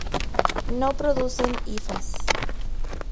No producen hifas.